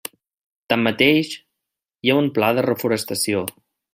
Tanmateix, hi ha un pla de reforestació.